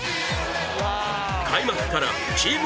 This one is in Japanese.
開幕からチーム